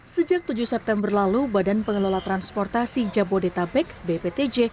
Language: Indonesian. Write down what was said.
sejak tujuh september lalu badan pengelola transportasi jabodetabek bptj